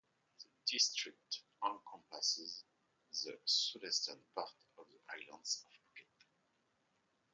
The district encompasses the southern part of the island of Phuket.